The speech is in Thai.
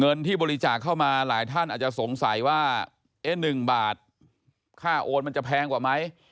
ที่บริจาคเข้ามาหลายท่านอาจจะสงสัยว่า๑บาทค่าโอนมันจะแพงกว่าไหม